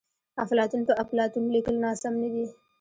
افلاطون په اپلاتون لیکل ناسم ندي.